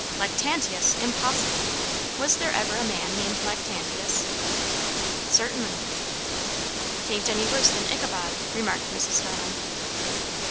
"Lactantius! Impossible. Was there ever a man named Lactantius?" "Certainly." "'Tain't any worse than Ichabod," remarked Mrs. Starling.